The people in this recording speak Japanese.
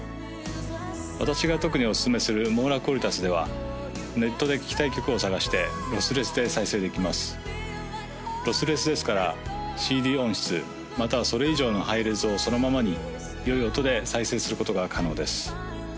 私が特におすすめするｍｏｒａｑｕａｌｉｔａｓではネットで聴きたい曲を探してロスレスで再生できますロスレスですからＣＤ音質またはそれ以上のハイレゾをそのままによい音で再生することが可能です